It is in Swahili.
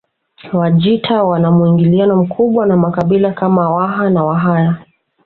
Wajita wana muingiliano mkubwa na makabila kama Waha na Wahaya